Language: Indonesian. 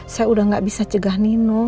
saya udah gak bisa cegah nino